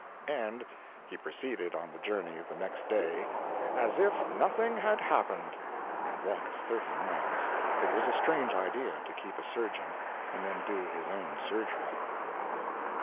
And he proceeded on the journey the next day, "as if nothing had happened" and walked thirty miles. It was a strange idea, to keep a surgeon and then do his own surgery.